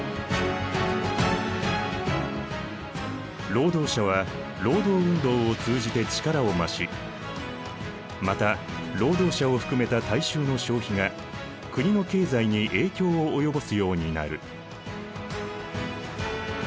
労働者は労働運動を通じて力を増しまた労働者を含めた大衆の消費が国の経済に影響を及ぼすようになる。